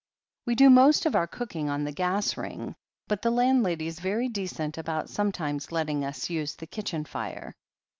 We do most of our cooking on the gas ring, but the landlady's very decent about sometimes letting us use the kitchen fire."